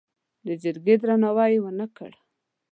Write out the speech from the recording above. د جرګې درناوی یې ونه کړ.